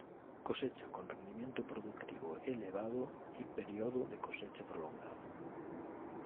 Cosecha con rendimiento productivo elevado, y periodo de cosecha prolongado.